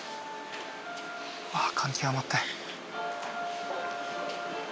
「ああ感極まって」